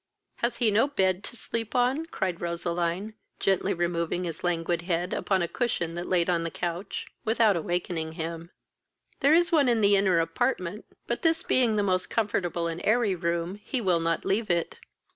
"Has he no bed to sleep on?" cried Roseline, gently removing his languid head upon a cushion that laid on a couch, without awakening him. "There is one in the inner apartment, but this being the most comfortable and airy room, he will not leave it."